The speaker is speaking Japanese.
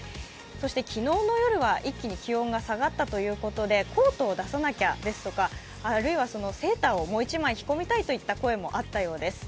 そして昨日の夜は一気に気温が下がったということでコートを出さなきゃですとか、あるいはセーターをもう１枚、着込みたいという超えもあったようです。